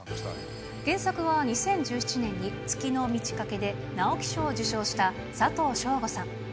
原作は２０１７年に月の満ち欠けで直木賞を受賞した佐藤正午さん。